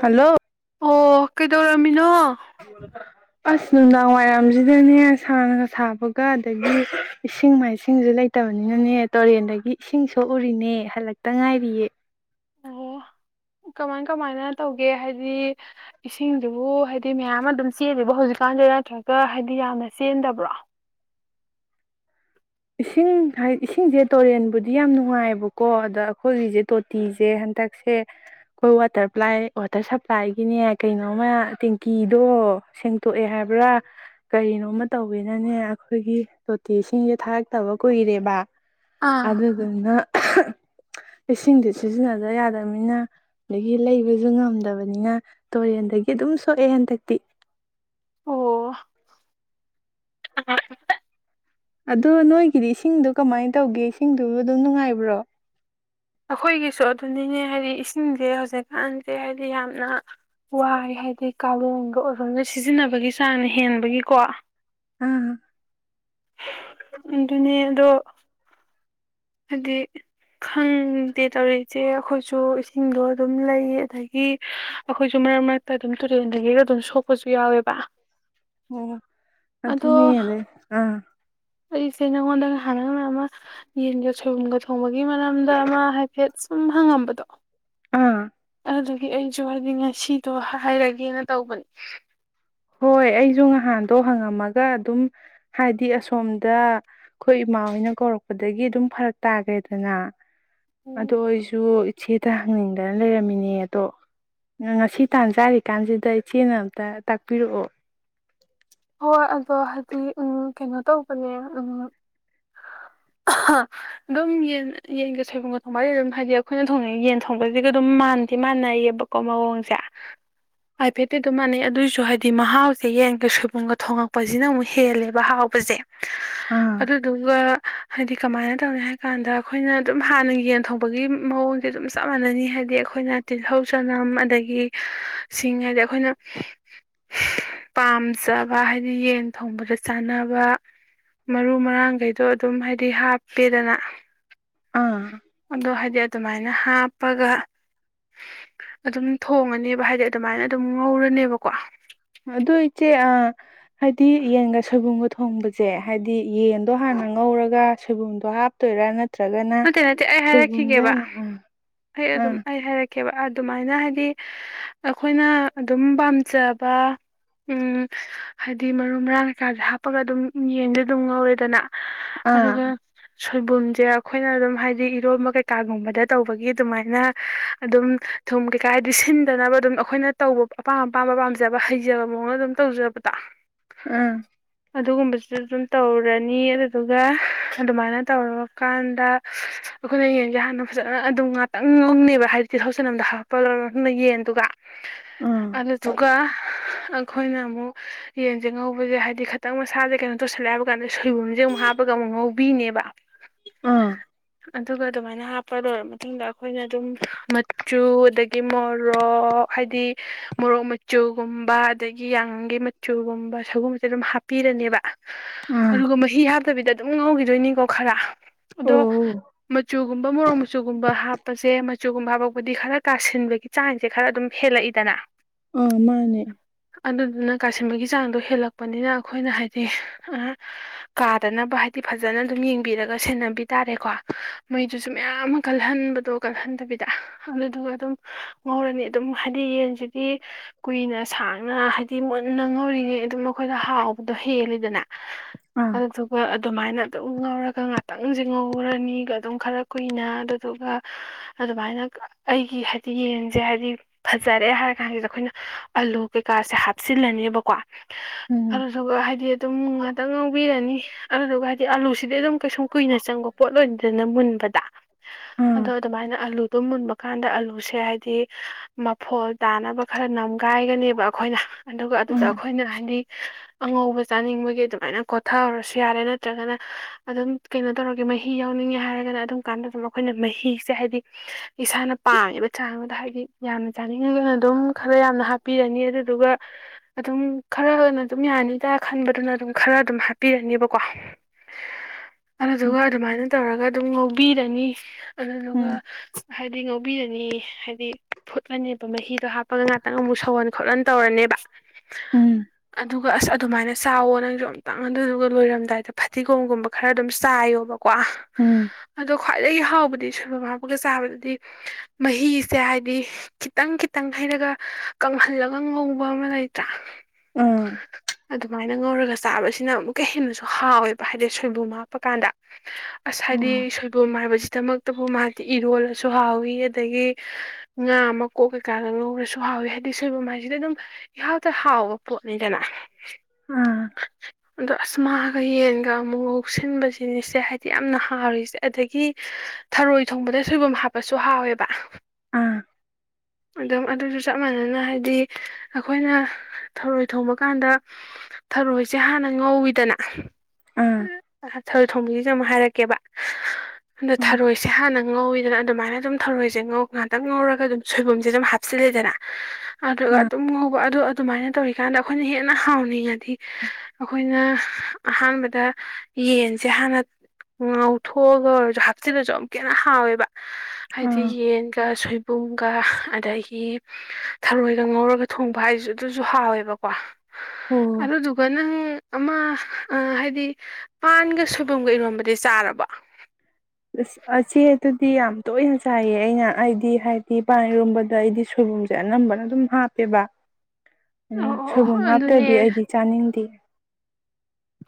hello ꯑꯣ ꯀꯩꯗꯧꯔꯝꯃꯤꯅꯣ ꯍ ꯑꯁ ꯅꯨꯡꯗꯥꯡ ꯋꯥꯏꯔꯝꯁꯤꯗꯅꯦ ꯁꯒ ꯁꯥꯕꯒ ꯑꯗꯒꯤ ꯏꯁꯤꯡ ꯃꯥꯏꯁꯤꯡꯁꯨ ꯂꯩꯇꯕꯅꯤꯅꯅꯦ ꯇꯨꯔꯦꯟꯗꯒꯤ ꯏꯁꯤꯡ ꯁꯣꯛꯎꯔꯤꯅꯦ ꯍꯜꯂꯛꯇ ꯉꯥꯏꯔꯤꯌꯦ ꯑꯣ ꯀꯃꯥꯏ ꯀꯃꯥꯏꯅ ꯇꯧꯒꯦ ꯍꯥꯏꯗꯤ ꯏꯁꯤꯡꯗꯨꯕꯨ ꯍꯥꯏꯗꯤ ꯃꯌꯥꯝ ꯑꯗꯨꯝ ꯆꯦꯜꯂꯤꯦꯕ ꯍꯧꯖꯤꯛꯀꯥꯟꯁ ꯅꯠꯇ꯭ꯔꯒ ꯍꯥꯏꯕꯗꯤ ꯌꯥꯝꯅ ꯆꯦꯟꯗꯕ꯭ꯔꯣ ꯏꯁꯤꯡ ꯍꯥꯏꯗꯤ ꯏꯁꯤꯡꯁꯦ ꯇꯨꯔꯦꯟꯕꯨꯗꯤ ꯌꯥꯝ ꯅꯨꯡꯉꯥꯏꯕꯀꯣ ꯑꯗ ꯑꯩꯈꯣꯏꯒꯤꯁꯦ ꯇꯣꯇꯤꯁꯦ ꯍꯟꯗꯛꯁꯦ ꯑꯩꯈꯣꯏ ꯋꯥꯇꯔ ꯄ꯭ꯂꯥꯏ ꯋꯥꯇꯔ ꯁꯄ꯭ꯂꯥꯏꯒꯤꯅꯦ ꯀꯩꯅꯣꯝꯃ ꯇꯦꯡꯀꯤꯗꯣ ꯁꯦꯡꯇꯣꯛꯑꯦ ꯍꯥꯏꯕ꯭ꯔꯥ ꯀꯔꯤꯅꯣꯃ ꯇꯧꯋꯦꯅꯅꯦ ꯑꯩꯈꯣꯏꯒꯤ ꯇꯣꯇꯤ ꯏꯁꯤꯡꯁꯦ ꯊꯥꯛ ꯇꯕ ꯀꯨꯏꯔꯦꯕ ꯑꯥ ꯑꯗꯨꯅ ꯏꯁꯤꯡꯗꯤ ꯁꯤꯖꯤꯟꯅꯗꯕ ꯌꯥꯗꯕꯅꯤꯅ ꯑꯗꯒꯤ ꯂꯩꯕꯁꯨ ꯉꯝꯗꯕꯅꯤꯅ ꯇꯨꯔꯦꯟꯗꯒꯤ ꯑꯗꯨꯝ ꯁꯣꯛꯑꯦ ꯍꯟꯗꯛꯇꯤ ꯑꯣ ꯑꯗꯣ ꯅꯣꯏꯒꯤꯗꯤ ꯏꯁꯤꯡꯗ ꯀꯃꯥꯏꯅ ꯇꯧꯒꯦ ꯏꯁꯤꯡꯗꯨ ꯑꯗꯨꯝ ꯅꯨꯡꯉꯥꯏꯕ꯭ꯔꯣ ꯑꯩꯈꯣꯏꯒꯤꯁꯨ ꯑꯗꯨꯅꯤꯅꯦ ꯍꯥꯏꯗꯤ ꯏꯁꯤꯡꯁꯦ ꯍꯧꯖꯤꯛꯀꯥꯟꯁꯦ ꯍꯥꯏꯕꯗꯤ ꯌꯥꯝꯅ ꯋꯥꯏ ꯍꯥꯏꯗꯤ ꯀꯥꯂꯣꯡꯒ ꯑꯣꯏꯔꯣꯝꯗ ꯁꯤꯖꯤꯟꯅꯕꯒꯤ ꯆꯥꯡꯅ ꯍꯦꯟꯕꯒꯤꯀꯣ ꯑꯥ ꯑꯗꯨꯅꯦ ꯑꯗꯣ ꯍꯥꯏꯗꯤ ꯈꯪꯗꯦ ꯇꯧꯔꯤꯁꯦ ꯑꯩꯈꯣꯏꯁꯨ ꯏꯁꯤꯡꯗꯣ ꯑꯗꯨꯝ ꯂꯩ ꯑꯗꯒꯤ ꯑꯩꯈꯣꯏꯁꯨ ꯃꯔꯛ ꯃꯔꯛꯇ ꯑꯗꯨꯝ ꯇꯨꯔꯦꯟꯗꯒꯤꯒ ꯑꯗꯨꯝ ꯁꯣꯛꯄꯁꯨ ꯌꯥꯎꯋꯦꯕ ꯑꯣ ꯑꯗꯨ ꯑꯗꯨꯅꯤ ꯑꯅꯦ ꯑꯥ ꯑꯩ ꯆꯅꯉꯣꯟꯗꯒ ꯍꯥꯟꯅ ꯑꯃ ꯌꯦꯟꯒ ꯁꯣꯏꯕꯨꯝꯒ ꯊꯣꯡꯕꯒꯤ ꯃꯔꯝꯗ ꯑꯃ ꯍꯥꯏꯐꯦꯠ ꯁꯨꯝ ꯍꯪꯉꯝꯕꯗꯣ ꯑꯥ ꯑꯗꯨꯒꯤ ꯑꯩꯁꯨ ꯍꯥꯏꯗꯤ ꯉꯁꯤꯗꯣ ꯍꯥꯏꯔꯒꯦꯅ ꯇꯧꯕꯅꯤ ꯍꯣꯏ ꯑꯩꯁꯨ ꯅꯍꯥꯟꯗꯣ ꯍꯪꯉꯝꯃꯒ ꯑꯗꯨꯝ ꯍꯥꯏꯗꯤ ꯑꯁꯣꯝꯗ ꯑꯩꯈꯣꯏ ꯏꯃꯥ ꯍꯣꯏꯅ ꯀꯧꯔꯛꯄꯗꯒꯤ ꯑꯗꯨꯝ ꯐꯔꯛ ꯇꯥꯈ꯭ꯔꯦꯗꯅ ꯑꯗꯣ ꯎꯝ ꯑꯩꯁꯨ ꯏꯆꯦꯗ ꯍꯪꯅꯤꯡꯗꯅ ꯂꯩꯔꯝꯃꯤꯅꯦ ꯑꯗꯣ ꯉꯁꯤ ꯇꯥꯟ ꯆꯥꯔꯤꯀꯥꯟꯁꯤꯗ ꯏꯆꯦꯅ ꯑꯝꯇ ꯄꯄꯤꯔꯛꯑꯣ ꯍꯣꯏ ꯑꯗꯣ ꯍꯥꯏꯗꯤ ꯎ ꯀꯩꯅꯣ ꯇꯧꯕꯅꯦ ꯎ ꯑꯗꯨꯝ ꯌꯦꯟ ꯌꯦꯟꯒ ꯁꯣꯏꯕꯨꯝꯒ ꯊꯣꯡꯕꯁ ꯑꯗꯨꯝ ꯍꯥꯏꯗꯤ ꯑꯩꯈꯣꯏꯅ ꯊꯣꯡꯉ ꯌꯦꯟ ꯊꯣꯡꯕꯁꯤꯒ ꯑꯗꯨꯝ ꯃꯥꯟꯅꯗꯦ ꯃꯥꯟꯅꯩꯌꯦꯕꯀꯣ ꯃꯑꯣꯡꯁꯦ ꯍꯥꯏꯐꯦꯠꯇꯤ ꯑꯗꯨꯝ ꯃꯥꯟꯅꯩ ꯑꯗꯨꯑꯣꯏꯁꯨ ꯍꯥꯏꯗꯤ ꯃꯍꯥꯎꯁꯦ ꯌꯦꯟꯒ ꯁꯣꯏꯕꯨꯝ ꯅꯨꯡꯒ ꯊꯣꯉꯛꯄꯁꯤꯅ ꯑꯃꯨꯛ ꯍꯦꯜꯂꯦꯕ ꯍꯥꯎꯕꯁꯦ ꯑꯥ ꯑꯗꯨꯗꯨꯒ ꯍꯥꯏꯗꯤ ꯀꯃꯥꯏꯅ ꯇꯧꯅꯤ ꯍꯥꯏ ꯀꯥꯟꯗ ꯑꯩꯈꯣꯏꯅ ꯑꯗꯨꯝ ꯍꯥꯟꯅ ꯌꯦꯟ ꯊꯣꯡꯕꯒꯤ ꯃꯑꯣꯡꯁꯦ ꯑꯗꯨꯝ ꯆꯞ ꯃꯥꯟꯅꯅꯤ ꯍꯥꯏꯗꯤ ꯑꯩꯈꯣꯏꯅ ꯇꯤꯜꯍꯧ ꯆꯅꯝ ꯑꯗꯒꯤ ꯁꯤꯡ ꯍꯥꯏꯗꯤ ꯑꯩꯈꯣꯏꯅ ꯄꯥꯝ ꯆꯥꯕ ꯍꯥꯏꯗꯤ ꯌꯦꯟ ꯊꯣꯡꯕꯗ ꯁꯥꯟꯅꯕ ꯃꯔꯨ ꯃꯔꯥꯡ ꯀꯩꯗꯣ ꯑꯗꯨꯝ ꯍꯥꯏꯗꯤ ꯍꯥꯞꯄꯦꯗꯅ ꯑꯥ ꯑꯗꯣ ꯍꯥꯏꯗꯤ ꯑꯗꯨꯃꯥꯏꯅ ꯍꯥꯞꯄꯒ ꯑꯗꯨꯝ ꯊꯣꯡꯉꯅꯦꯕ ꯍꯥꯏꯗꯤ ꯑꯗꯨꯃꯥꯏꯅ ꯑꯗꯨꯝ ꯉꯧꯔꯅꯦꯕꯀꯣ ꯑꯗꯨ ꯏꯆꯦ ꯍꯥꯏꯗꯤ ꯌꯦꯟꯒ ꯁꯣꯏꯕꯨꯝꯒ ꯊꯣꯡꯕꯁꯦ ꯍꯥꯏꯗꯤ ꯌꯦꯟꯗꯣ ꯍꯥꯟꯅ ꯉꯧꯔꯒ ꯁꯣꯏꯕꯨꯝꯗꯣ ꯍꯥꯞꯇꯣꯏꯔꯥ ꯅꯠꯇ ꯅꯠꯇꯦ ꯅꯠꯇꯦ ꯑꯩ ꯍꯥꯏꯔꯛꯈꯤꯒꯦꯕ ꯑꯥ ꯑꯩ ꯑꯗꯨꯝ ꯑꯥ ꯑꯩ ꯍꯥꯏꯔꯛ ꯀꯦꯕ ꯑꯗꯨꯃꯥꯏꯅ ꯍꯥꯏꯗꯤ ꯑꯩꯈꯣꯏꯅ ꯑꯗꯨꯝ ꯄꯥꯝꯖꯕ ꯍꯥꯏꯗꯤ ꯃꯔꯨ ꯃꯔꯥꯡ ꯀꯩꯀꯥꯥꯁ ꯍꯥꯞꯄꯒ ꯑꯗꯨꯝ ꯌꯦꯟꯗꯤ ꯑꯗꯨꯝ ꯉꯧꯔꯦꯗꯅ ꯑꯗꯨꯒ ꯁꯣꯏꯕꯨꯝꯁꯦ ꯑꯩꯈꯣꯏꯅ ꯑꯗꯨꯝ ꯍꯥꯏꯗꯤ ꯏꯔꯣꯟꯕ ꯀꯩꯀꯥꯒꯨꯝꯕꯗ ꯇꯧꯕꯒꯤ ꯑꯗꯨꯃꯥꯏꯅ ꯑꯗꯨꯝ ꯊꯨꯝ ꯀꯩꯀꯥꯏꯗꯤ ꯁꯤꯟꯗꯅꯕ ꯑꯗꯨꯝ ꯑꯩꯈꯣꯏꯅ ꯇꯧꯕ ꯑꯄꯥꯝ ꯑꯄꯥꯝꯕ ꯄꯥꯝꯖꯕ ꯍꯩꯖꯕ ꯃꯑꯣꯡꯗ ꯑꯗꯨꯝ ꯇꯧꯖꯕꯗꯣ ꯑꯥ ꯑꯗꯨꯒꯨꯝꯕꯁꯨ ꯑꯗꯨꯝ ꯇꯧꯔꯅꯤ ꯑꯗꯨꯗꯨꯒ ꯑꯗꯨꯃꯥꯏꯅ ꯇꯧꯔꯒ ꯀꯥꯟꯗ ꯑꯩꯈꯣꯏꯅ ꯌꯦꯟꯁꯦ ꯍꯥꯟꯅ ꯐꯖꯅ ꯑꯗꯨꯝ ꯉꯥꯛꯇꯪ ꯂꯨꯡꯉꯕ ꯍꯥꯏꯗꯤ ꯇꯤꯊꯧꯆꯟꯝꯗ ꯍꯥꯞꯄ ꯂꯣꯏꯔ ꯃꯇꯨꯡꯗ ꯌꯦꯟꯗꯨꯒ ꯑꯥ ꯑ ꯇꯨꯒ ꯑꯩꯈꯣꯏꯅ ꯑꯃꯨꯛ ꯌꯦꯟꯁꯦ ꯉꯧꯕꯁꯦ ꯍꯥꯏꯗꯤ ꯈꯤꯇꯪ ꯃꯁꯥꯁꯦ ꯀꯩꯅꯣ ꯇꯧꯁꯜꯂꯦ ꯍꯥꯏꯕ ꯀꯥꯟꯗ ꯁꯣꯏꯕꯨꯝꯁꯦ ꯑꯃꯨꯛ ꯍꯥꯞꯄꯒ ꯑꯃꯨꯛ ꯉꯧꯕꯤꯅꯦꯕ ꯑꯥ ꯑꯗꯨꯒ ꯑꯗꯨꯃꯥꯏꯅ ꯍꯥꯞꯄ ꯂꯣꯏꯔꯕ ꯃꯇꯨꯡꯗ ꯑꯩꯈꯣꯏꯅ ꯑꯗꯨꯝ ꯃꯆꯨ ꯑꯗꯒꯤ ꯃꯣꯔꯣꯛ ꯍꯥꯏꯗꯤ ꯃꯣꯔꯣꯛ ꯃꯆꯨꯒꯨꯝꯕ ꯑꯗꯒꯤ ꯌꯥꯉꯪꯒꯤ ꯃꯆꯨꯒꯨꯝꯕ ꯁꯒꯨꯝꯕꯁꯦ ꯑꯗꯨꯝ ꯍꯥꯞꯄꯤꯔꯅꯦꯕ ꯑꯥ ꯑꯗꯨꯒ ꯃꯍꯤ ꯍꯥꯞꯇꯕꯤꯗ ꯑꯗꯨꯝ ꯉꯧꯈꯤꯗꯣꯏꯅꯤꯀꯣ ꯈꯔ ꯑꯗꯣ ꯑꯣ ꯃꯆꯨꯒꯨꯝꯕ ꯃꯣꯔꯣꯛ ꯃꯆꯨꯒꯨꯝꯕ ꯍꯥꯞꯄꯁꯦ ꯃꯆꯨ ꯨꯝ ꯐꯥꯕꯣꯛꯕꯨꯗꯤ ꯈꯔ ꯀꯥꯁꯤꯟꯕꯒꯤ ꯆꯥꯡꯁꯦ ꯈꯔ ꯑꯗꯨꯝ ꯍꯦꯜꯂꯛꯏꯗꯅ ꯑ ꯃꯥꯅꯦ ꯑꯗꯨꯗꯨꯅ ꯀꯥꯁꯤꯟꯕꯒꯤ ꯆꯥꯡꯗꯣ ꯍꯦꯜꯂꯛꯄꯅꯤꯅ ꯑꯩꯈꯣꯏꯅ ꯍꯥꯏꯗꯤ ꯀꯥꯗꯅꯕ ꯍꯥꯏꯗꯤ ꯐꯖꯅ ꯑꯗꯨꯝ ꯌꯦꯡꯕꯤꯔꯒ ꯁꯦꯟꯅ ꯕꯤ ꯇꯥꯔꯦꯀꯣ ꯃꯩꯗꯨꯁꯨ ꯃꯌꯥꯝ ꯑꯃ ꯀꯜꯍꯟꯕꯗꯣ ꯀꯜꯍꯟꯗꯕꯤꯗ ꯑꯗꯨꯗꯨꯒ ꯑꯗꯨꯝ ꯉꯧꯔꯅꯤ ꯑꯗꯨꯝ ꯍꯥꯏꯗꯤ ꯌꯦꯟꯁꯤꯗꯤ ꯀꯨꯏꯅ ꯁꯥꯡꯅ ꯍꯥꯏꯗꯤ ꯃꯨꯟꯅ ꯉꯧꯔꯤꯉꯩ ꯑꯗꯨꯝ ꯃꯈꯣꯏꯗ ꯍꯥꯎꯕꯗꯣ ꯍꯦꯜꯂꯤꯗꯅ ꯑꯥ ꯑꯗꯨꯗꯨ ꯑꯗꯨꯃꯥꯏꯅ ꯎ ꯉꯥꯎꯔꯒ ꯉꯥꯛꯇꯪ ꯁꯤ ꯉꯧꯔꯅꯤꯒ ꯑꯗꯨꯝ ꯈꯔ ꯀꯨꯏꯅ ꯑꯗꯨꯗꯨꯒ ꯑꯗꯨꯃꯥꯏꯅ ꯑꯩꯒꯤ ꯍꯥꯏꯗꯤ ꯌꯦꯟꯁꯦ ꯍꯥꯏꯗꯤ ꯐꯖꯔꯦ ꯍꯥꯏꯔ ꯀꯥꯟꯁꯤꯗ ꯑꯩꯈꯣꯏꯅ ꯑꯥꯂꯨ ꯀꯩꯀꯥꯁꯦ ꯍꯥꯞꯆꯤꯜꯂꯅꯦꯕꯀꯣ ꯎꯝ ꯑꯗꯨꯗꯨꯒ ꯍꯥꯏꯗꯤ ꯑꯗꯨꯝ ꯉꯥꯛꯇꯪ ꯉꯧꯕꯤꯔꯅꯤ ꯑꯗꯨꯗꯨꯒ ꯍꯥꯏꯗꯤ ꯑꯂꯁꯤꯗꯤ ꯑꯗꯨꯝ ꯀꯩ ꯀꯨꯏꯅ ꯆꯪꯕ ꯄꯣꯠ ꯂ ꯑꯣꯏꯅꯗꯅ ꯃꯨꯟꯕꯗ ꯑꯗꯣ ꯑꯥ ꯑꯗꯨꯃꯥꯏꯅ ꯑꯂꯨꯗꯣ ꯃꯨꯟꯕ ꯀꯥꯟꯗ ꯑꯂꯨꯁꯦ ꯍꯥꯏꯗꯤ ꯃꯐꯣꯜ ꯇꯥꯅꯕ ꯈꯔ ꯅꯝꯒꯥꯏꯒꯅꯦꯕ ꯑꯩꯈꯣꯏꯅ ꯑꯗꯨꯒ ꯑꯗꯨꯗ ꯎꯝ ꯑꯩꯈꯣꯏꯅ ꯍꯥꯏꯅꯤꯡ ꯑꯉꯧꯕ ꯆꯥꯅꯤꯡꯕꯒꯤ ꯑꯗꯨꯃꯥꯏꯅ ꯈꯣꯊꯍꯔꯁꯨ ꯌꯥꯔꯦ ꯅꯠꯇ꯭ꯔꯒꯅ ꯑꯗꯨꯝ ꯀꯩꯅꯣ ꯇꯧꯔꯒꯦ ꯃꯍꯤ ꯌꯥꯎꯅꯤꯡꯉꯦ ꯍꯥꯏꯔꯒꯅ ꯑꯗꯨꯝ ꯀꯥꯟꯗ ꯑꯗꯨꯝ ꯑꯩꯈꯣꯏꯅ ꯃꯍꯤꯁꯦ ꯍꯥꯏꯗꯤ ꯏꯁꯥꯅ ꯄꯥꯝꯃꯤꯕ ꯆꯥꯡꯃꯗ ꯍꯥꯏꯗꯤ ꯌꯥꯝꯅ ꯆꯥꯅꯤꯡꯉꯒꯅ ꯑꯗꯨꯝ ꯈꯔ ꯌꯥꯝꯅ ꯍꯥꯞꯄꯤꯔꯅꯤ ꯑꯗꯨꯗꯨꯒ ꯑꯗꯨꯝ ꯈꯔꯅ ꯑꯗꯨꯝ ꯌꯥꯅꯤ ꯆ ꯈꯟꯕꯗꯨꯅ ꯑꯗꯨꯝ ꯈꯔ ꯑꯗꯨꯝ ꯍꯥꯞꯄꯤꯔꯅꯤꯕꯀꯣ ꯑꯗꯨꯗꯨꯒ ꯎꯝ ꯑꯗꯨꯃꯥꯏꯅ ꯇꯧꯔꯒ ꯑꯗꯨꯝ ꯉꯧꯕꯤꯔꯅꯤ ꯑꯗꯨꯗꯨꯒ ꯍꯥꯏꯗꯤ ꯉꯧ ꯕꯤꯔꯅꯤ ꯍꯥꯏꯗꯤ ꯐꯨꯠꯂꯅꯤꯕ ꯃꯍꯤꯗꯣ ꯍꯥꯞꯄꯒ ꯉꯥꯛꯇꯪ ꯑꯃꯨꯛ ꯁꯧꯍꯟ ꯈꯣꯠꯍꯟ ꯇꯧꯔꯅꯦꯕ ꯎꯝ ꯑꯗꯨꯒ ꯑꯁ ꯑꯗꯨꯃꯥꯏꯅ ꯆꯥꯎꯋꯣ ꯅꯪꯁꯨ ꯑꯝꯇꯪ ꯑꯗꯨꯗꯨꯒ ꯂꯣꯏꯔꯝꯗꯥꯏꯗ ꯐꯗꯤꯒꯣꯝꯒꯨꯝꯕ ꯈꯔ ꯑꯗꯨꯝ ꯆꯥꯏꯌꯣꯕ ꯋꯥ ꯎꯝ ꯑꯗꯣ ꯈ꯭ꯋꯥꯏꯗꯒꯤ ꯍꯥꯎꯕꯗꯤ ꯁꯣꯏꯕꯨꯝ ꯍꯥꯞꯄꯒ ꯆ ꯕꯗꯗꯤ ꯃꯍꯤꯁꯦ ꯍꯥꯏꯗꯤ ꯈꯤꯇꯪ ꯈꯤꯇꯪ ꯍꯩꯔꯒ ꯀꯪꯍꯜꯂꯒ ꯉꯧꯕ ꯑꯃ ꯂꯩꯇ꯭ꯔꯥ ꯎꯝ ꯃꯥꯏꯅ ꯉꯧꯔꯒ ꯆꯥꯕꯁꯤꯅ ꯑꯃꯨꯛꯀ ꯍꯦꯟꯅꯁꯨ ꯍꯥꯎꯋꯦꯕ ꯍꯥꯏꯗꯤ ꯁꯣꯏꯕꯨꯝ ꯍꯥ ꯞꯄ ꯀꯥꯟꯗ ꯑꯁ ꯑꯣ ꯍꯥꯏꯗꯤ ꯁꯣꯏꯕꯣꯝ ꯍꯥꯏꯕꯁꯤ ꯗꯃꯛꯇꯕꯨ ꯃꯥꯗꯤ ꯏꯔꯣꯜꯂꯁꯨ ꯍꯥꯎꯏꯤ ꯑꯗꯒꯤ ꯉꯥ ꯃꯀꯣꯛ ꯀꯩꯀꯥꯗ ꯉꯧꯔꯁꯨ ꯍꯥꯎꯋꯤ ꯍꯥꯏꯗꯤ ꯁꯣꯏꯕꯨꯝ ꯍꯥꯏꯁꯤꯗꯤ ꯑꯗꯨꯝ ꯏꯍꯥꯎꯇ ꯍꯥꯎꯕ ꯄꯣꯠꯅꯤꯗꯅ ꯑꯥ ꯑꯗꯣ ꯑꯁ ꯃꯥꯒ ꯌꯦꯟꯒ ꯑꯃꯨꯛ ꯉꯥꯎ ꯁꯤꯟꯕꯁꯤꯅꯤꯁꯦ ꯍꯥꯏꯗꯤ ꯌꯥꯝꯅ ꯍꯥꯎꯔꯤꯁꯦ ꯑꯗꯒꯤ ꯊꯔꯣꯏ ꯊꯣꯡꯕꯗ ꯁꯣꯏꯕꯨꯝ ꯍꯥꯞꯄꯁꯨ ꯍꯥꯎꯋꯦꯕ ꯑꯥ ꯑꯗꯨꯝ ꯑꯗꯨꯁꯨ ꯆꯞ ꯃꯅꯅ ꯍꯥꯏꯗꯤ ꯑꯩꯈꯣꯏꯅ ꯊꯔꯣꯏ ꯊꯣꯡꯕ ꯀꯥꯟꯗ ꯊꯔꯣꯏꯁꯦ ꯍꯥꯟꯅ ꯉꯧꯋꯤꯗꯅ ꯑꯥ ꯊꯔꯣꯏ ꯊꯣꯡꯕꯒꯤꯁꯨ ꯑꯃꯨꯛ ꯍꯥꯏꯔꯛꯀꯦꯕ ꯑꯗ ꯑꯥ ꯊꯥꯔꯣꯏꯁꯦ ꯍꯥꯟꯅ ꯉꯧꯋꯤꯗꯅ ꯑꯗꯨꯃꯥꯏꯅ ꯑꯗꯨꯝ ꯊꯧꯔꯣꯏꯁꯦ ꯉꯧ ꯉꯥꯛꯇꯪ ꯉꯧꯔꯒ ꯑꯗꯨꯝ ꯁꯣꯏꯕꯨꯝꯁꯦ ꯑꯗꯨꯝ ꯍꯥꯞꯆꯤꯜꯂꯦꯗꯅ ꯑꯗꯨꯒ ꯑꯥ ꯑꯗꯨꯝ ꯉꯧꯕ ꯑꯗꯨ ꯑꯗꯨꯃꯥꯏꯅ ꯇꯧꯔꯤꯀꯥꯟꯗ ꯑꯩꯈꯣꯏꯅ ꯍꯦꯟꯅ ꯍꯥꯎꯅꯤꯡꯉꯗꯤ ꯑꯩꯈꯣꯏꯅ ꯑꯍꯥꯟꯕꯗ ꯌꯦꯟꯁꯦ ꯍꯥꯟꯅ ꯉꯧꯊꯣꯛꯑꯒ ꯑꯣꯏꯔꯁꯨ ꯍꯥꯞꯆꯤꯜꯂꯁꯨ ꯑꯃꯨꯛꯀ ꯍꯦꯟꯅ ꯍꯥꯎꯋꯦꯕ ꯍꯥꯏꯗꯤ ꯑꯥ ꯌꯦꯟ ꯁꯣꯏꯕꯨꯝꯒ ꯑꯗꯒꯤ ꯊꯔꯣꯏꯒ ꯉꯧꯔꯒ ꯊꯣꯡꯕ ꯍꯥꯏꯁꯨ ꯑꯗꯨꯁꯨ ꯍꯥꯎꯋꯦꯕꯀꯣ ꯑꯣ ꯑꯗꯨꯗꯨꯒ ꯅꯪ ꯑꯃ ꯍꯥꯏꯗꯤ ꯄꯥꯟꯒ ꯁꯣꯏꯕꯨꯝ ꯒ ꯏꯔꯣꯝꯕꯗꯤ ꯆꯥꯔꯕꯣ ꯑꯁ ꯆꯦ ꯑꯗꯨꯗꯤ ꯌꯥꯝ ꯇꯣꯏꯅ ꯆꯥꯏꯌꯦ ꯑꯩꯅ ꯑꯩꯗꯤ ꯍꯥꯏꯗꯤ ꯄꯥꯟ ꯏꯔꯣꯝꯕꯗ ꯑꯩꯗꯤ ꯁꯣꯏꯕꯨꯝꯁꯦ ꯑꯅꯝꯕꯅ ꯑꯗꯨꯝ ꯍꯥꯞꯄꯦꯕ ꯑꯣ ꯑꯣ ꯁꯣꯏꯕꯨꯝ ꯑꯣ ꯍꯥꯞꯇ꯭ꯔꯗꯤ ꯑꯗꯨꯅꯦ ꯑꯩꯗꯤ ꯆꯥꯅꯤꯡꯗꯦ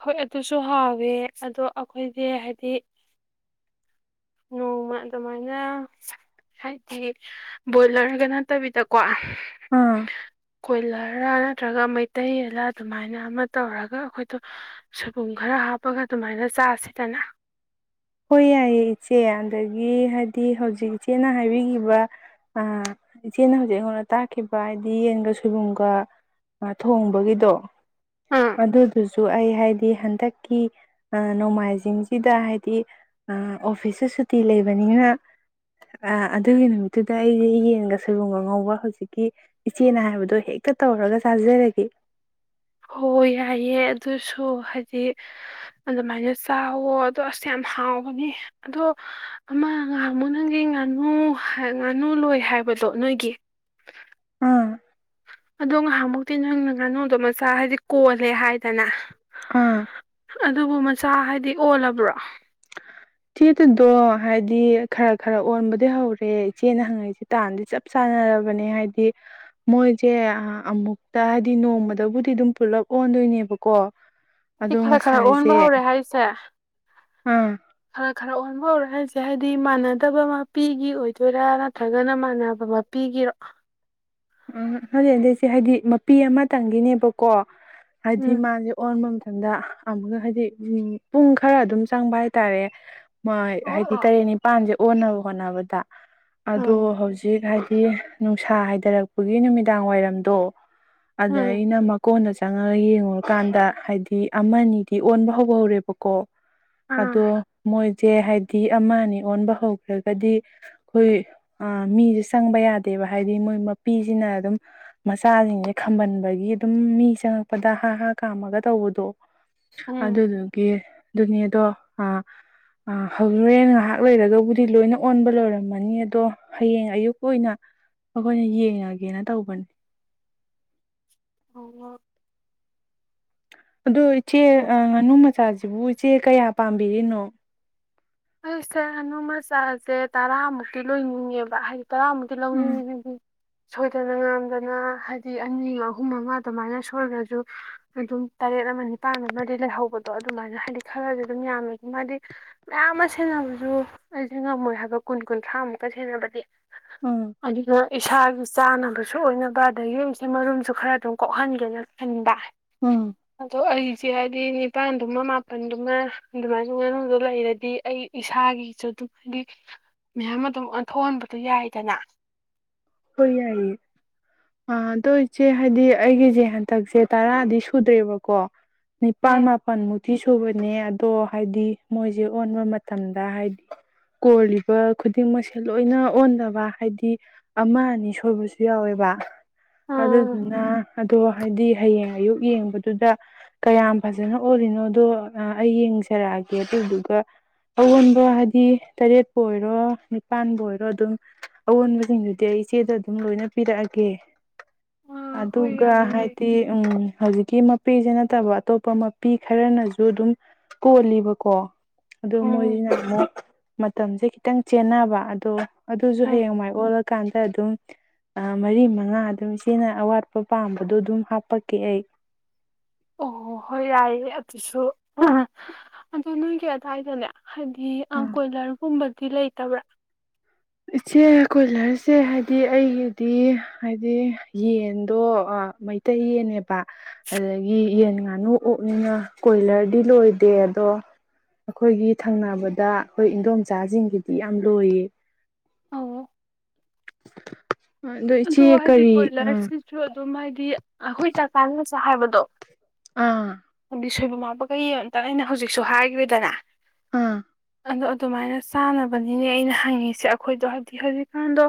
ꯍꯣꯏ ꯑꯗꯨꯁꯨ ꯍꯥꯎꯋꯦ ꯑꯗꯣ ꯑꯩꯈꯣꯏꯗꯤ ꯍꯥꯏꯗꯤ ꯅꯣꯡꯃ ꯑꯗꯨꯃꯥꯏꯅ ꯍꯥꯏꯗꯤ ꯕꯣꯏꯂꯔꯒ ꯅꯠꯇꯕꯤꯗꯀꯣ ꯑꯥ ꯀꯣꯏꯂꯔꯔ ꯅꯠꯇ꯭ꯔꯒ ꯃꯩꯇꯩ ꯌꯦꯟꯂ ꯑꯗꯨꯃꯥꯏꯅ ꯑꯃ ꯇꯧꯔꯒ ꯑꯩꯈꯣꯏ ꯑꯗ ꯁꯣꯏꯕꯨꯝ ꯈꯔ ꯍꯥꯞꯄꯒ ꯑꯗꯨꯃꯥꯏꯅ ꯆꯥꯁꯤꯗꯅ ꯍꯣꯏ ꯌꯥꯏꯌꯦ ꯏꯆꯦ ꯑꯗꯒꯤ ꯍꯥꯏꯗꯤ ꯍꯧꯖꯤꯛ ꯏꯆꯦꯅ ꯍꯥꯏꯕꯤꯈꯤꯕ ꯑ ꯏꯆꯦꯅ ꯍꯧꯖꯤꯛ ꯑꯩꯉꯣꯟꯗ ꯇꯥꯛꯈꯤꯕ ꯍꯥꯏꯗꯤ ꯌꯦꯟꯒ ꯁꯣꯏꯕꯨꯝꯒ ꯊꯣꯡꯕꯒꯤꯗꯣ ꯑꯥ ꯑꯗ ꯑꯗꯨ ꯁꯨ ꯑꯩ ꯍꯥꯏꯗꯤ ꯍꯟꯗꯛꯀꯤ ꯅꯣꯡꯃꯥꯏꯖꯤꯡꯁꯤ ꯑꯣꯐꯤꯁꯇ ꯁꯨꯇꯤ ꯂꯩꯕꯅꯤꯅ ꯑꯗꯨꯒꯤ ꯅꯨꯃꯤꯠꯇꯨꯗ ꯑꯩꯁꯦ ꯌꯦꯟꯒ ꯁꯣꯏꯕꯨꯝꯒ ꯉꯧꯕ ꯍꯧꯖꯤꯛꯀꯤ ꯏꯆꯦꯅ ꯍꯥꯏꯕꯗꯣ ꯍꯦꯛꯇ ꯇꯧꯔꯒ ꯆꯥꯖꯔꯒꯦ ꯍꯣꯏ ꯌꯥꯏꯌꯦꯦ ꯑꯗꯨꯁꯨ ꯍꯥꯏꯗꯤ ꯑꯗꯨꯃꯥꯏꯅ ꯆꯥꯎꯋꯣ ꯑꯗꯣ ꯑꯁ ꯌꯥꯝ ꯍꯥꯎꯕꯅꯤ ꯑꯗꯣ ꯑꯃ ꯉꯍꯥꯡꯃꯨ ꯅꯪꯒꯤ ꯉꯥꯅꯨ ꯉꯥꯅꯨ ꯂꯣꯏ ꯍꯥꯏꯕꯗꯣ ꯅꯣꯏꯒꯤ ꯎꯝ ꯑꯗꯣ ꯉꯥꯏꯍꯥꯛꯃꯨꯛꯇꯤ ꯅꯣꯏꯅ ꯉꯥꯅꯣꯗꯣ ꯃꯆꯥ ꯍꯥꯏꯗꯤ ꯀꯣꯜꯂꯦ ꯍꯥꯏꯗꯅ ꯑꯥ ꯑꯗꯨꯕꯨ ꯃꯆꯥ ꯍꯥꯏꯗꯤ ꯑꯣꯂꯕ꯭ꯔꯣ ꯆꯦꯗꯨꯗꯣ ꯍꯥꯏꯗꯤ ꯈꯔ ꯈꯔ ꯑꯣꯟꯕꯗꯤ ꯍꯧꯔꯦ ꯏꯆꯦꯅ ꯍꯪꯉꯛꯏꯁꯦ ꯇꯥꯟ ꯗꯤ ꯆꯞ ꯆꯥꯟꯅꯔꯕꯅꯦ ꯍꯥꯏꯗꯤ ꯃꯣꯏꯁꯦ ꯑꯃꯨꯛꯇ ꯍꯥꯏꯗꯤ ꯅꯣꯡꯃꯗꯕꯨꯗꯤ ꯑꯗꯨꯝ ꯄꯨꯂꯞ ꯑꯣꯟꯗꯣꯏꯅꯦꯕꯀꯣ ꯍꯥꯏꯗꯤ ꯑꯗꯣ ꯈꯔ ꯈꯔ ꯑꯣꯟꯕ ꯉꯁꯥꯏꯁꯦ ꯍꯧꯔꯦ ꯍꯥꯏꯁꯦ ꯑꯥ ꯈꯔ ꯈꯔ ꯑꯣꯟꯕ ꯍꯧꯔꯦ ꯍꯥꯏꯁꯦ ꯍꯥꯏꯗꯤ ꯃꯥꯟꯅꯗꯕ ꯃꯄꯤꯒꯤ ꯑꯣꯏꯗꯣꯏꯔꯥ ꯅꯠꯇ꯭ꯔꯒꯅ ꯃꯥꯟꯅꯕ ꯃ ꯄꯤꯒꯤꯔꯣ ꯎꯝ ꯍꯖꯤꯛ ꯑꯗꯩꯁꯦ ꯍꯥꯏꯗꯤ ꯃꯄꯤ ꯑꯃꯇꯪꯒꯤꯅꯦꯕꯀꯣ ꯍꯥꯏꯗꯤ ꯎꯝ ꯃꯥꯦ ꯑꯣꯟ ꯗ ꯑꯃꯨꯛꯀ ꯍꯥꯏꯗꯤ ꯎ ꯄꯨꯡ ꯈꯔ ꯑꯗꯨꯝ ꯆꯪꯕ ꯍꯥꯏꯇꯥꯔꯦ ꯃꯣꯏ ꯑꯣ ꯍꯥꯏꯗꯤ ꯑꯣ ꯇꯔꯦꯠ ꯅꯤꯄꯥꯟꯁꯦ ꯑꯣꯟꯅꯕ ꯍꯣꯠꯅꯕꯗ ꯑꯗꯣ ꯎꯝ ꯍꯧꯖꯤꯛ ꯍꯥꯏ ꯁꯤ ꯅꯨꯡꯁꯥ ꯍꯥꯏꯊꯔꯛꯄ ꯒꯤ ꯅꯨꯃꯤꯗꯥꯡ ꯋꯥꯏꯔꯝꯗꯣ ꯑꯗ ꯎꯝ ꯑꯩꯅ ꯃꯀꯣꯟꯅ ꯈꯤ ꯆꯪꯉꯒ ꯌꯦꯡꯉꯨꯔꯀꯥꯟꯗ ꯍꯥꯏꯗꯤ ꯑꯃꯗꯤ ꯑꯣꯟꯕ ꯍꯧ ꯍꯧꯔꯦꯕꯀꯣ ꯑꯥ ꯑꯗꯨꯗꯣ ꯃꯣꯏ ꯁꯦ ꯍꯥꯏꯗꯤ ꯑꯃ ꯑꯅꯤ ꯑꯣꯟꯕ ꯍꯧꯈ꯭ꯔꯒꯗꯤ ꯑꯩꯈꯣꯏ ꯃꯤꯁꯦ ꯆꯪꯕ ꯌꯥꯗꯦꯕ ꯍꯥꯏꯗꯤ ꯃꯣꯏ ꯅꯨꯄꯤꯁꯤꯅ ꯑꯗꯨꯝ ꯃꯆꯥꯁꯤꯡꯁꯦ ꯈꯝꯝꯕꯟꯕꯒꯤ ꯑꯗꯨꯝ ꯃꯤ ꯆꯪꯉꯛꯄꯗ ꯍꯥ ꯍꯥ ꯀꯥꯝꯃꯒ ꯇꯧꯕꯗꯣ ꯎꯝ ꯑꯗꯨꯗꯨꯒꯤ ꯑꯗꯨꯅꯦ ꯑꯗꯣ ꯍꯧꯔꯦꯟ ꯉꯥꯏꯍꯥꯛ ꯂꯩꯔꯒꯕꯨꯗꯤ ꯂꯣꯏꯅ ꯑꯣꯟꯕ ꯂꯣꯏꯔꯝꯃꯅꯤ ꯑꯗꯣ ꯍꯌꯦꯡ ꯑꯌꯨꯛ ꯑꯣꯏꯅ ꯑꯩꯈꯣꯏꯅ ꯌꯦꯡꯉꯒꯦ ꯌꯦꯡꯉꯥꯒꯦꯅ ꯇꯧꯕꯅꯤ ꯑꯣ ꯑꯗꯨ ꯏꯆꯦ ꯉꯥꯅꯨ ꯏꯆꯥꯁꯤꯕꯨ ꯏꯆꯦ ꯀꯌꯥ ꯄꯥꯝꯕꯤꯔꯤꯅꯣ ꯁꯦ ꯇꯔꯥꯃꯨꯛꯇꯤ ꯂꯣꯏ ꯅꯤꯡꯉꯦꯕ ꯍꯥꯏ ꯇꯔꯃꯗꯤ ꯎꯝ ꯂꯥꯎꯅꯤꯡꯉꯦ ꯁꯣꯏꯗꯅ ꯉꯥꯝꯗꯅ ꯍꯥꯏꯗꯤ ꯑꯅꯤ ꯑꯍꯨꯝ ꯑꯃ ꯑꯗꯨꯃꯥꯏꯅ ꯁꯣꯏꯒꯁꯨ ꯑꯗꯨꯝ ꯇꯔꯦꯠ ꯑꯃ ꯅꯤꯄꯥꯥꯟ ꯑꯃ ꯑꯃꯗꯤ ꯂꯩꯍꯧꯕꯗꯣ ꯑꯗꯨꯃꯥꯏꯅ ꯍꯥꯏꯗꯤ ꯈꯔꯁꯨ ꯑꯗꯨꯝ ꯌꯥꯝꯃꯦ ꯃꯥꯗꯤ ꯃꯌꯥꯝ ꯁꯦꯟꯅꯕꯁꯨ ꯑꯩꯁꯦ ꯉꯝꯃꯣꯏ ꯍꯥꯏꯕ ꯀꯨꯟ ꯀꯨꯟꯊ꯭ꯔꯥꯃꯨꯛꯀ ꯁꯦꯟꯅꯕꯗꯤ ꯎꯝ ꯑꯗꯨꯒ ꯏꯁꯥ ꯆꯥꯅꯕꯁꯨ ꯑꯣꯏꯅꯕ ꯑꯗꯒꯤꯁꯦ ꯃꯔꯨꯝꯁꯨ ꯈꯔ ꯑꯗꯨꯝ ꯀꯣꯛꯍꯟꯒꯦꯅ ꯈꯟꯕ ꯎꯝ ꯑꯗꯣ ꯑꯩꯖꯦ ꯍꯥꯏꯗꯤ ꯅꯤꯄꯥꯟꯗꯨꯃ ꯃꯥꯄꯜꯗꯨꯃ ꯑꯗꯨꯃꯥꯏꯅ ꯉꯅꯨꯗꯣ ꯂꯩꯔꯗꯤ ꯑꯩ ꯏꯁꯥꯒꯤꯁꯨ ꯑꯗꯨꯝ ꯍꯥꯏꯗꯤ ꯃꯌꯥꯝ ꯑꯗꯨꯝ ꯑꯣꯟꯊꯣꯛꯍꯟꯕꯗꯣ ꯌꯥꯏꯗꯅ ꯍꯣꯏ ꯌꯥꯏꯌꯦ ꯑꯗꯣ ꯏꯆꯦ ꯍꯥꯏꯗꯤ ꯑꯩꯒꯤꯁꯦ ꯍꯟꯗꯛꯁꯦ ꯇꯔꯥꯗꯤ ꯁꯨꯗ꯭ꯔꯦꯕꯀꯣ ꯅꯤꯄꯥꯜ ꯎꯝ ꯃꯥꯄꯜ ꯃꯨꯛꯇꯤ ꯁꯨꯕꯅꯦ ꯑꯗꯣ ꯍꯥꯏꯗꯤ ꯃꯣꯏꯁꯦ ꯑꯣꯟꯕ ꯃꯇꯝꯗ ꯍꯥꯏꯗꯤ ꯀꯣꯜꯂꯤꯕ ꯈꯨꯗꯤꯡꯃꯛꯁꯦ ꯂꯣꯏꯅ ꯑꯣꯟꯗꯕ ꯍꯥꯏꯗꯤ ꯑꯃ ꯑꯅꯤ ꯁꯣꯏꯕꯁꯨ ꯌꯥꯎꯋꯦꯕ ꯑꯥ ꯑꯗꯨꯗꯨꯅ ꯑꯗꯣ ꯍꯥꯏꯗꯤ ꯍꯌꯦꯡ ꯑꯌꯨꯛ ꯌꯦꯡꯕꯗ ꯑꯗꯨꯗ ꯀꯌꯥꯝ ꯐꯖꯅ ꯑꯣꯜꯂꯤꯅꯣꯗꯣ ꯑꯩ ꯌꯦꯡꯖꯔꯛꯑꯒꯦ ꯑꯗꯨꯗꯨꯒ ꯑꯑꯣꯟꯕ ꯍꯥꯏꯗꯤ ꯇꯔꯦꯠꯄꯨ ꯑꯣꯏꯔꯣ ꯅꯤꯄꯥꯥꯟꯕꯨ ꯑꯣꯏꯔꯣ ꯑꯗꯨꯝ ꯑꯋꯣꯟꯕꯁꯤꯡꯗꯨ ꯑꯩ ꯏꯆꯦꯗꯣ ꯑꯗꯨꯝ ꯂꯣꯏꯅ ꯄꯤꯔꯛꯑꯒꯦ ꯍꯣꯏ ꯑꯗꯨꯒ ꯌꯥꯏꯌꯦ ꯍꯥꯏꯗꯤ ꯎꯝ ꯍꯧꯖꯤꯛ ꯀ ꯃꯄꯤꯁꯦ ꯅꯠꯇꯕ ꯑꯇꯣꯞꯄ ꯃꯄꯤ ꯈꯔꯅꯁꯨ ꯑꯗꯨꯝ ꯀꯣꯜꯂꯤꯕꯀꯣ ꯑꯗꯨꯣ ꯎꯝ ꯃꯣꯏꯗꯤꯅ ꯃꯇꯝꯁꯦ ꯈꯤꯇꯪ ꯆꯦꯟꯅꯕ ꯑꯗꯣ ꯑꯗꯨꯁꯨ ꯎꯝ ꯍꯌꯦꯡ ꯃꯥꯏ ꯑꯣꯜꯂ ꯀꯥꯟꯗ ꯑꯗꯨꯝ ꯃꯔꯤ ꯃꯉꯥ ꯑꯗꯨꯝ ꯏꯆꯦꯅ ꯑꯋꯥꯠꯄ ꯄꯥꯝꯕꯗꯣ ꯑꯗꯨꯝ ꯍꯥꯞꯄꯛꯀꯦ ꯑꯩ ꯑꯣ ꯍꯣꯏ ꯌꯥꯏꯌꯦ ꯑꯗꯨꯁꯨ ꯑꯗꯨ ꯅꯣꯏꯒꯤ ꯑꯗꯨꯋꯥꯏꯗꯅꯦ ꯍꯥꯏꯗꯤ ꯀꯣꯏꯂꯔꯒꯨꯝꯕꯗꯤ ꯂꯩꯇꯕ꯭ꯔꯥ ꯏꯆꯦ ꯀꯣꯏꯂꯔꯁꯦ ꯍꯥꯏꯗꯤ ꯑꯩꯒꯤꯗꯤ ꯍꯥꯏꯗꯤ ꯌꯦꯟꯗꯣ ꯃꯩꯇꯩ ꯌꯦꯟꯅꯦꯕ ꯑꯗꯒꯤ ꯌꯦꯟ ꯉꯥꯅꯨ ꯑꯣꯛꯅꯤꯅ ꯀꯣꯏꯂꯔꯗꯤ ꯂꯣꯏꯗꯦ ꯑꯗꯣ ꯑꯩꯈꯣꯏꯒꯤ ꯊꯪꯅꯕꯗ ꯑꯩꯈꯣꯏ ꯏꯟꯗꯣꯝꯆꯥꯁꯤꯡꯒꯤꯗꯤ ꯌꯥꯝ ꯂꯣꯏꯌꯦ ꯑꯣ ꯑꯗꯣ ꯏꯆꯦ ꯀꯔꯤ ꯑ ꯑꯗꯨ ꯍꯥꯏꯗꯤ ꯑꯩꯈꯣꯏ ꯆ ꯆꯥꯟ ꯆ ꯍꯥꯏꯕꯗꯣ ꯑꯥ ꯑꯗꯨ ꯁꯣꯏꯕ ꯃꯄ ꯀꯩ ꯌꯦꯡ ꯑꯩꯅ ꯍꯧꯖꯤꯛꯁꯨ ꯍꯥꯏꯈꯔꯦꯗꯅ ꯑꯥ ꯑꯗꯣ ꯑꯗꯨꯃꯥꯏꯅ ꯆꯥꯅꯕꯅꯤꯅꯦ ꯑꯩꯅ ꯍꯪꯉꯤꯁꯦ ꯑꯩꯈꯣꯏꯗꯣ ꯍꯥꯏꯕꯗꯤ ꯍꯧꯖꯤꯛꯀꯥꯟꯗꯣ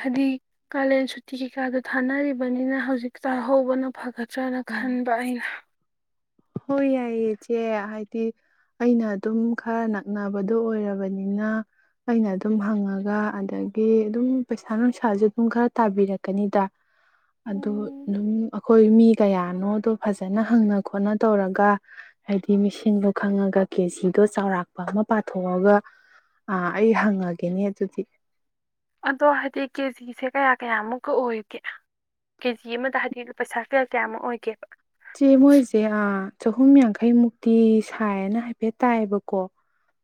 ꯍꯥꯏꯗꯤ ꯀꯥꯂꯦꯟ ꯁꯨꯇꯤ ꯀꯩꯀꯥꯗꯣ ꯊꯥꯅꯔꯤꯕꯅꯤꯅ ꯍꯧꯖꯤꯛ ꯆꯥꯍꯧꯕꯅ ꯐꯒꯠ ꯆ꯭ꯔꯥꯅ ꯑꯣ ꯈꯟꯕ ꯑꯩꯅ ꯍꯣꯏ ꯌꯥꯏꯌꯦ ꯏꯆꯦ ꯍꯥꯏꯗꯤ ꯑꯩꯅ ꯑꯗꯨꯝ ꯈꯔ ꯅꯛꯅꯕꯗꯣ ꯑꯣꯏꯔꯕꯅꯤꯅ ꯑꯩꯅ ꯑꯗꯨꯝ ꯍꯪꯉꯒ ꯑꯗꯒꯤ ꯑꯗꯨꯝ ꯄꯩꯁꯥ ꯅꯨꯡꯁꯥꯁꯨ ꯑꯗꯨꯝ ꯈꯔ ꯇꯥꯕꯤꯔꯛꯀꯅꯤꯗ ꯑꯗꯨ ꯎꯝ ꯑꯗꯨꯝ ꯑꯩꯈꯣꯏ ꯃꯤ ꯀꯌꯥꯅꯣꯗꯣ ꯐꯖꯅ ꯍꯪꯅ ꯈꯣꯠꯅ ꯇꯧꯔꯒ ꯍꯥꯏꯗꯤ ꯃꯤꯁꯤꯡꯗꯣ ꯈꯪꯉꯒ ꯀꯦꯖꯤꯗꯣ ꯆꯥꯎꯔꯥꯛꯄ ꯑꯃ ꯄꯥꯊꯣꯛꯑꯒ ꯑꯩ ꯍꯪꯉꯒꯦꯅꯦ ꯑꯗꯨꯗꯤ ꯑꯗꯣ ꯍꯥꯏꯗꯤ ꯀꯦꯖꯤꯁꯦ ꯀꯌꯥ ꯀꯌꯥꯃꯨꯛꯀ ꯑꯣꯏꯒꯦ ꯀꯦꯖꯤ ꯑꯃꯗ ꯍꯥꯏꯗꯤ ꯄꯩꯁꯥ ꯀꯌꯥ ꯀꯌꯥꯃꯨꯛ ꯑꯣꯏꯒꯦꯕ ꯆꯦ ꯃꯣꯏꯁꯦ ꯆꯍꯨꯝ ꯌꯥꯡꯈꯩꯃꯨꯛꯇꯤ ꯁꯥꯏꯌꯦꯅ ꯍꯥꯏꯐꯦꯠ ꯇꯥꯏꯑꯕꯀꯣ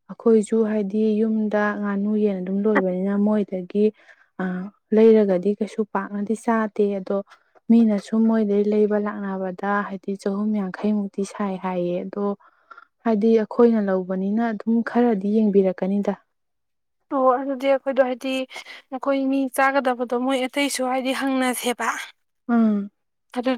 ꯑꯩꯈꯣꯏꯁꯨ ꯍꯥꯏꯗꯤ ꯑꯩ ꯌꯨꯝꯗ ꯉꯥꯅꯨ ꯌꯦꯟ ꯑꯗꯨꯝ ꯂꯣꯏꯕꯅꯤꯅ ꯃꯣꯏ ꯑꯗꯒꯤ ꯑ ꯂꯩꯔꯒꯗꯤ ꯀꯩꯁꯨ ꯄꯥꯛꯅꯗꯤ ꯆꯥꯗꯦ ꯑꯗꯣ ꯃꯤꯅꯁꯨ ꯃꯣꯏꯗꯩ ꯂꯩꯕ ꯂꯥꯛꯅꯕ ꯍꯥꯏꯗꯤ ꯆꯍꯨꯝ ꯌꯥꯡꯈꯩꯃꯨꯛꯇꯤ ꯁꯥꯏ ꯍꯥꯏꯌꯦ ꯑꯗꯣ ꯍꯥꯏꯗꯤ ꯑꯩꯈꯣꯏꯅ ꯂꯧꯕꯅꯤꯅ ꯑꯗꯨꯝ ꯈꯔꯗꯤ ꯌꯦꯡꯕꯤꯔꯛꯀꯅꯤꯗ ꯑꯣ ꯑꯗꯨꯗꯤ ꯑꯩꯈꯣꯏꯗꯣ ꯍꯥꯏꯗꯤ ꯑꯩꯈꯣꯏ ꯃꯤ ꯆꯥꯒꯗꯕꯗꯣ ꯃꯣꯏ ꯑꯇꯩꯁꯨ ꯍꯥꯏꯗꯤ ꯍꯪꯅꯁꯦꯕ ꯎꯝ ꯣ